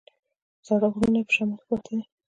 زاړه غرونه یې په شمال کې پراته دي.